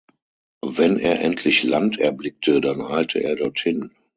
Wenn er endlich Land erblickte, dann eilte er dorthin.